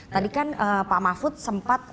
tadi kan pak mahfud sempat